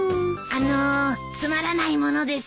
あのうつまらないものですが。